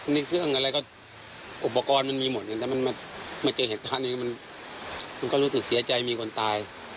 มีเครื่องอะไรอุปกรณ์มันมีหมดแต่เจอเหตุการณ์มันก็รู้สึกเศร้าใจมีคนตาย